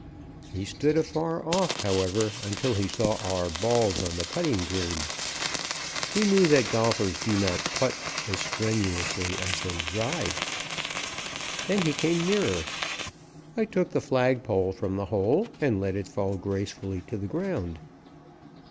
He stood afar off, however, until he saw our balls on the putting green. He knew that golfers do not "putt" as strenuously as they "drive." Then he came nearer. I took the flag pole from the hole and let it fall gracefully to the ground.